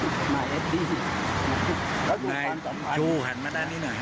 ดูถามสมัคร